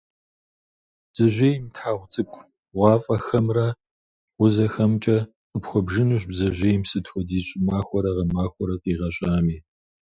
Бдзэжьейм и тхьэгъу цӏыкӏу бгъуафӏэхэмрэ, бгъузэхэмкӏэ къыпхуэбжынущ бдзэжьейм сыт хуэдиз щӏымахуэрэ гъэмахуэрэ къигъэщӏами.